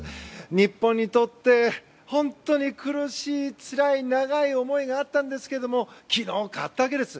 日本にとって本当に苦しいつらい長い思いがあったんですが昨日、勝ったわけです。